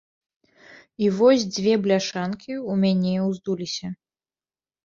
І вось дзве бляшанкі ў мяне ўздуліся!